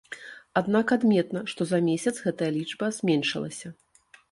Аднак адметна, што за месяц гэта лічба зменшылася.